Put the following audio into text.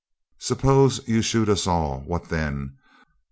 Subbose you shood us all, what then?